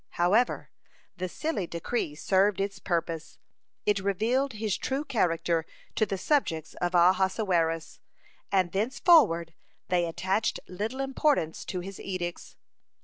However, the silly decree served its purpose. It revealed his true character to the subjects of Ahasuerus, and thenceforward they attached little importance to his edicts.